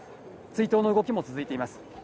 追悼の動きも続いています。